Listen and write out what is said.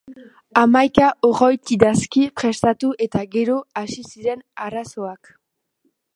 Hamaika oroitidazki prestatu eta gero, hasi ziren arazoak.